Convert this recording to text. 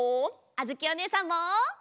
あづきおねえさんも！